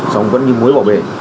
trong vấn nghiệp mối bảo bể